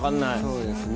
そうですね。